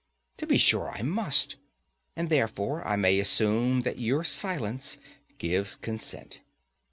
To be sure I must; and therefore I may assume that your silence gives consent.